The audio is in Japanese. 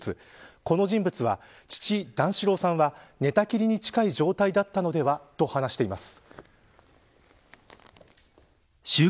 この人物は、父、段四郎さんは寝たきりに近い状態だったのではと話しています。